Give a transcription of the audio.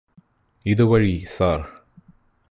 ഇതുവഴി സര്